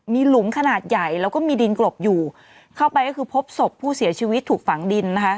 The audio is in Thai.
มีหลุมขนาดใหญ่แล้วก็มีดินกลบอยู่เข้าไปก็คือพบศพผู้เสียชีวิตถูกฝังดินนะคะ